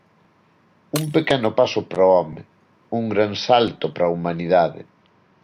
Un pequeno paso para o home, un gran salto para a humanidade.